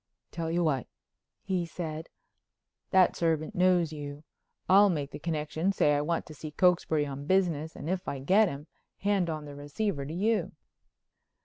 "Tell you what," he said, "that servant knows you. I'll make the connection, say I want to see Cokesbury on business, and if I get him, hand on the receiver to you."